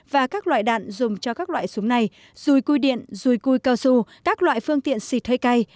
và các loại đạn dùng cho các loại súng này dùi cui điện rùi cui cao su các loại phương tiện xịt hơi cay